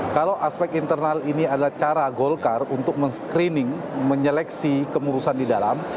kalau aspek internal ini adalah cara golkar untuk men screening menyeleksi kemurusan di dalam